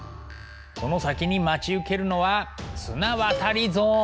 その先に待ち受けるのは綱渡りゾーン。